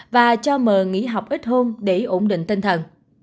và cho mờ nghỉ học ít hôm để ổn định tinh thần